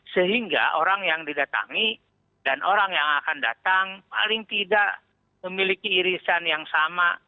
sehingga orang yang didatangi dan orang yang akan datang paling tidak memiliki irisan yang sama